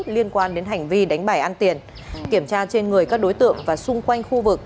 liên quan đến hành vi đánh bài ăn tiền kiểm tra trên người các đối tượng và xung quanh khu vực